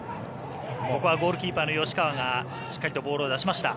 ここはゴールキーパーの吉川がしっかりとボールを出しました。